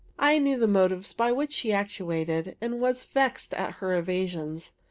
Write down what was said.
I knew the motives by which she was actuated, and was vexed at her evasions.